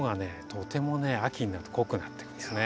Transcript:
とてもね秋になると濃くなってくるんですね。